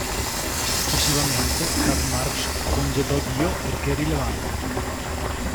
Successivamente Karl Marx "congedò" Dio perché irrilevante.